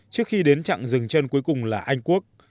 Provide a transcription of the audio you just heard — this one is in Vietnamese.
trước khi đến chặng rừng chân cuối cùng là anh quốc